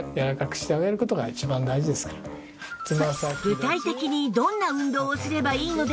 具体的にどんな運動をすればいいのでしょう？